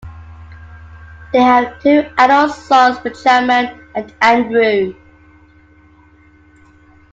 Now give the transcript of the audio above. They have two adult sons, Benjamin and Andrew.